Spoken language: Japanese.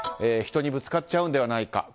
人にぶつかっちゃうのではないか。